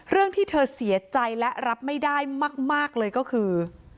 ที่เธอเสียใจและรับไม่ได้มากเลยก็คือ